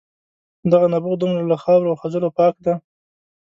دغه نبوغ دومره له خاورو او خځلو پاک دی.